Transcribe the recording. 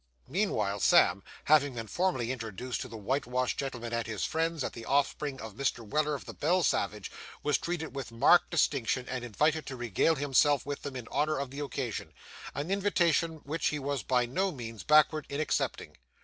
Meanwhile, Sam, having been formally introduced to the whitewashed gentleman and his friends, as the offspring of Mr. Weller, of the Belle Savage, was treated with marked distinction, and invited to regale himself with them in honour of the occasion an invitation which he was by no means backward in accepting.